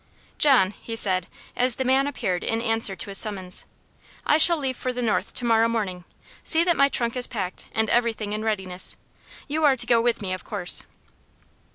"John," he said, as the man appeared in answer to his summons, "I shall leave for the North to morrow morning. See that my trunk is packed, and everything in readiness. You are to go with me, of course."